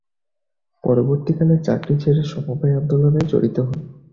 পরবর্তীকালে চাকরি ছেড়ে সমবায় আন্দোলনে জড়িত হন।